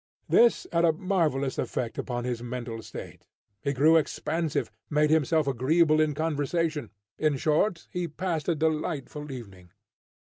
This had a marvellous effect upon his mental state. He grew expansive, made himself agreeable in conversation, in short, he passed a delightful evening.